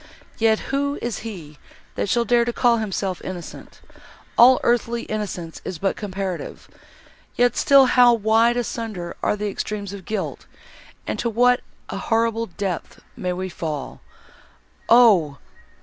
Yet who is he, that shall dare to call himself innocent!—all earthly innocence is but comparative. Yet still how wide asunder are the extremes of guilt, and to what a horrible depth may we fall! Oh!